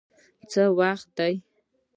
څه وخت دی؟